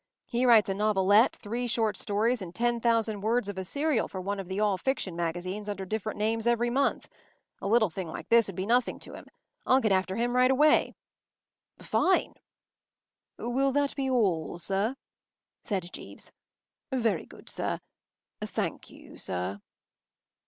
He writes a novelette, three short stories, and ten thousand words of a serial for one of the all fiction magazines under different names every month. A little thing like this would be nothing to him. I’ll get after him right away.” “Fine!” “Will that be all, sir?” said Jeeves. “Very good, sir. Thank you, sir.